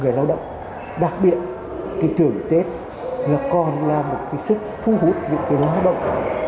người lao động đặc biệt thì thưởng tết là còn là một cái sức thu hút người lao động